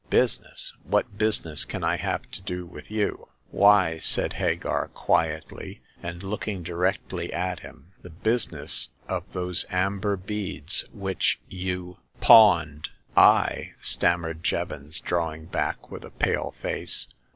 " Business ! What business can I have to do w^ith you ?"" Why," said Hagar, quietly, and looking di rectly at him, "the business ofthose amber beads which you— pawned." " I," stammered Jevons, drawing back with a pale face.